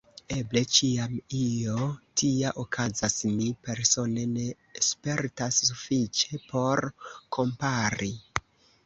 Eble ĉiam io tia okazas, mi persone ne spertas sufiĉe por kompari.